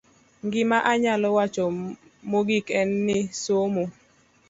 Gima anyalo wacho mogik en ni, somo